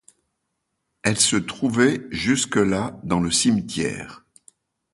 Elle se trouvait jusque-là dans le cimetière.